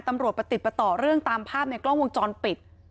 ประติดประต่อเรื่องตามภาพในกล้องวงจรปิด